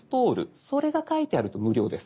それが書いてあると無料です。